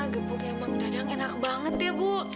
gepuk yang mang dadang enak banget ya bu